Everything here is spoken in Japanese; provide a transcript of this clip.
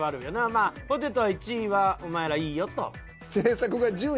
まあポテト１位はお前らいいよと。